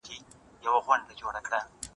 پېغلې مستې راوتلې دي مهینې